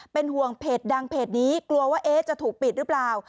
เป็นห่วงเพจดังเพจนี้กลัวว่าจะถูกปิดหรือเปล่า